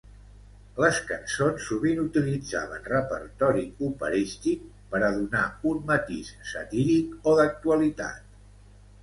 Les cançons sovint utilitzaven repertori operístic "per a donar un matís satíric o d'actualitat".